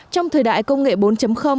trong thời đại công nghệ bốn